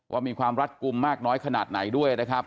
ว่ามีความรัดกลุ่มมากน้อยขนาดไหนด้วยนะครับ